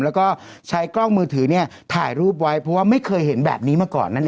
แล้วก็ใช้กล้องมือถือถ่ายรูปไว้เพราะว่าไม่เคยเห็นแบบนี้มาก่อนนั่นเอง